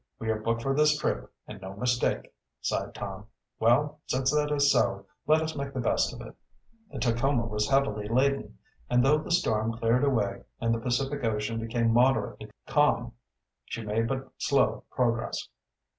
"We are booked for this trip, and no mistake," sighed Tom. "Well, since that is so, let us make the best of it." The Tacoma was heavily laden, and though the storm cleared away and the Pacific Ocean became moderately calm, she made but slow progress.